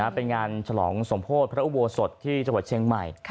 เป็นงานฉลองสมโพธิพระอุโบสถที่จังหวัดเชียงใหม่